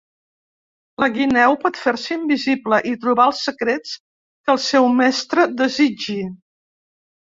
La guineu pot fer-se invisible i trobar els secrets que el seu mestre desitgi.